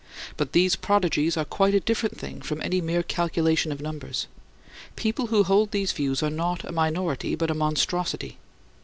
But these prodigies are quite a different thing from any mere calculation of numbers. People who hold these views are not a minority, but a monstrosity.